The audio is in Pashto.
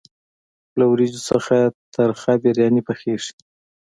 له وریجو څخه ترخه بریاني پخیږي.